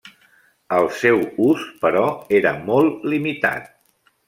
El seu ús, però, era molt limitat.